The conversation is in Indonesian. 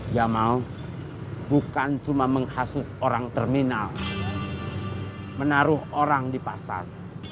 ya mau bukan cuma menghasut orang terminal menaruh orang di pasar